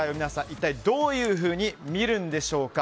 一体どういうふうに見るんでしょうか。